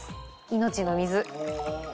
命の水。